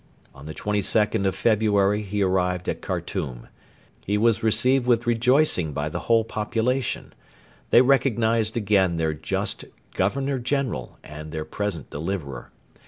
On the 22nd of February he arrived at Khartoum. He was received with rejoicing by the whole population. They recognised again their just Governor General and their present deliverer.